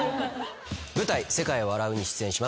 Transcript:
舞台『世界は笑う』に出演します。